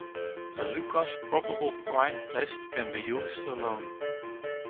A Lucas probable prime test can be used alone.